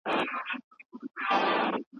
هغې وویل چې زما پلار په سوات کې لوی کاروبار لري.